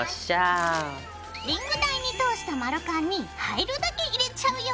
リング台に通した丸カンに入るだけ入れちゃうよ。